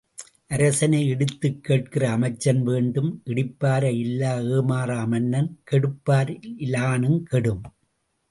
அரசனை இடித்துக் கேட்கிற அமைச்சன் வேண்டும். இடிப்பாரை இல்லா ஏமறா மன்னன் கெடுப்பார் இலானுங் கெடும்.